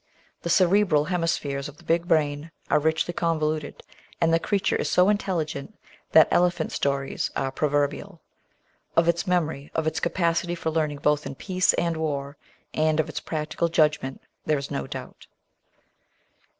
The cerebral hemispheres of the big brain are richly convoluted, and the creatiu*e is so intelligent that "elephant stories" are proverbial. Of its memory, of its capacity for learning both in peace and war, and of its practical judgment, there is no doubt.